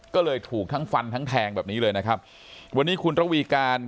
ก็เลยถูกทั้งฟันทั้งแทงแบบนี้เลยนะครับวันนี้คุณระวีการ